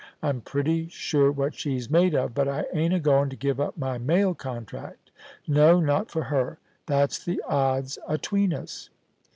I'm pretty sure what she's made of ; but I ain't a goin' to give up my mail contract ; no, not for her. That's the odds atween us.'